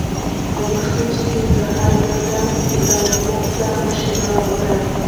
که ماشوم ستونزه حل نه کړي، د ارواپوه سره مشوره وکړئ.